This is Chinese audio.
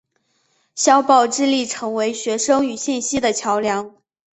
校报致力成为学生与信息的桥梁。